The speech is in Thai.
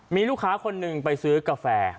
มีลูกค้าคนหนึ่งไปซื้อกาแฟ